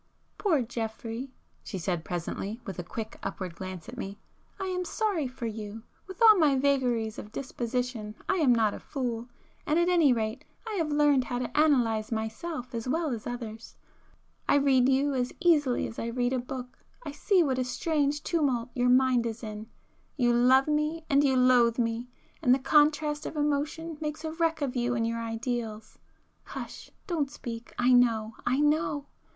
"Poor Geoffrey!" she said presently, with a quick upward glance at me,—"I am sorry for you! With all my vagaries of disposition I am not a fool, and at anyrate I have learned how to analyse myself as well as others. I read you as easily as I read a book,—I see what a strange tumult your mind is in! You love me—and you loathe me!—and the contrast of emotion makes a wreck of you and your ideals. Hush,—don't speak; I know,—I know!